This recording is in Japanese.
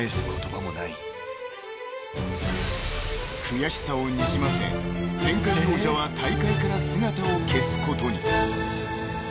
［悔しさをにじませ前回王者は大会から姿を消すことに］